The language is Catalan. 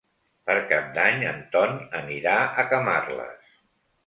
Per Cap d'Any en Ton anirà a Camarles.